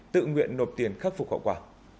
tự nguyện nộp tiền khắc phục khẩu quả